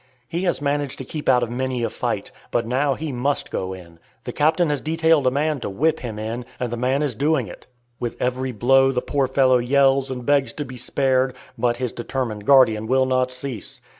He has managed to keep out of many a fight, but now he must go in. The captain has detailed a man to whip him in, and the man is doing it. With every blow the poor fellow yells and begs to be spared, but his determined guardian will not cease.